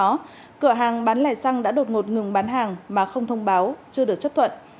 trước đó cửa hàng bán lẻ xăng đã đột ngột ngừng bán hàng mà không thông báo chưa được chấp thuận